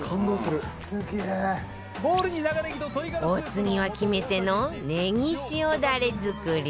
お次は決め手のねぎ塩ダレ作り